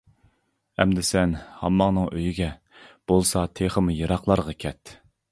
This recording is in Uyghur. -ئەمدى سەن ھامماڭنىڭ ئۆيىگە، بولسا تېخىمۇ يىراقلارغا كەت.